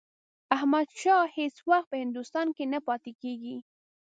احمدشاه هیڅ وخت په هندوستان کې نه پاتېږي.